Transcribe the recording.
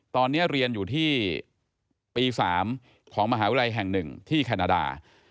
ตอนนี้เรียนอยู่ที่ปี๓ของมหาวิทยาลัยแห่ง๑ที่แคนาดา